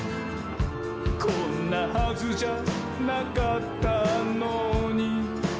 「こんなはずじゃなかったのに」